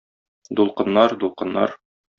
Дулкыннар, дулкыннар!